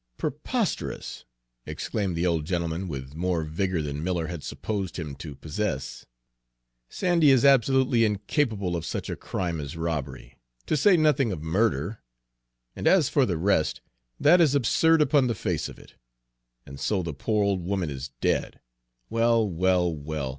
"Preposterous!" exclaimed the old gentleman, with more vigor than Miller had supposed him to possess. "Sandy is absolutely incapable of such a crime as robbery, to say nothing of murder; and as for the rest, that is absurd upon the face of it! And so the poor old woman is dead! Well, well, well!